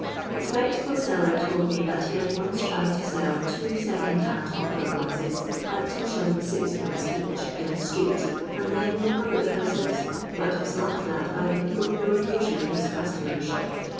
A spectacle seller told me that ha had once tried to sell two second hand oper» gUsses at 2s. 6(2. each, in the street, and then in the public houses, but was laughed at by tha people who were usually his customers.